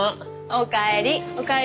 おかえり。